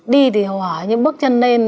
đi thì hồ hỏa những bước chân lên